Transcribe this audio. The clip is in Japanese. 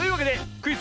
クイズ